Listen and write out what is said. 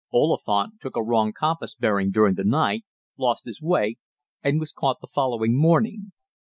Oliphant took a wrong compass bearing during the night, lost his way, and was caught the following morning.